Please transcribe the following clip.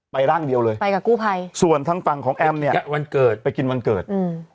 ไปร่างเดียวเลยส่วนทางภังของแอบล์เนี่ยไปกินวันเกิด